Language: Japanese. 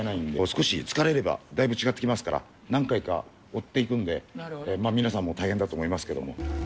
少し疲れればだいぶ違ってきますから、何回か追っていくんで、皆さんも大変だと思いますけども。